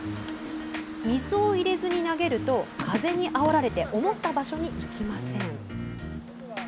水を入れずに投げると風にあおられて思った場所にいきません。